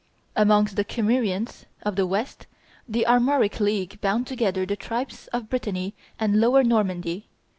Amongst the Kymrians of the West, the Armoric league bound together the tribes of Brittany and lower Normandy.